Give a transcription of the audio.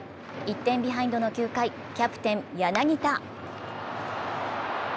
１点ビハインドの９回、キャプテン・柳田。